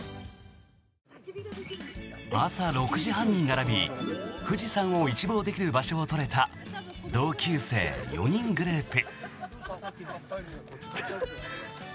朝６時半に並び富士山を一望できる場所を取れた同級生４人グループ。